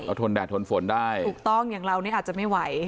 เอาทนแดดทนฝนได้ถูกต้องอย่างเรานี่อาจจะไม่ไหว